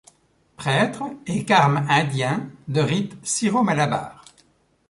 Prêtre et carme indien de rite syro-malabar.